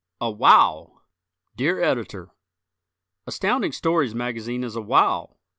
C. "A Wow!" Dear Editor: Astounding Stories magazine is a wow!